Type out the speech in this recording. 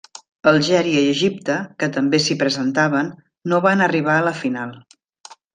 Algèria i Egipte, que també s'hi presentaven, no van arribar a la final.